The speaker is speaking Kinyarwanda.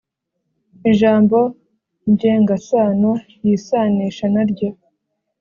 ijambo ngengasano yisanisha na ryo